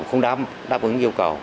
không đáp ứng yêu cầu